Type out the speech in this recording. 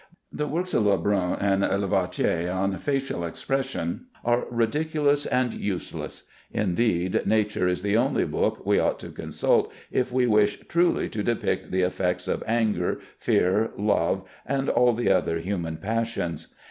The works of Lebrun and Lavater on facial expression are ridiculous and useless; indeed, nature is the only book we ought to consult if we wish truly to depict the effects of anger, fear, love, and all the other human passions.